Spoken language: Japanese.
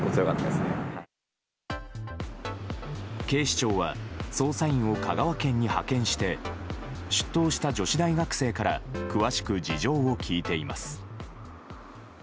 警視庁は捜査員を香川県に派遣して出頭した女子大学生から詳しく事情を聴いています。